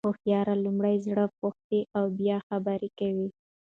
هوښیار لومړی زړه پوښتي او بیا خبري کوي.